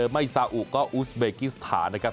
ไม่ซาอุก็อุสเบกิสถานนะครับ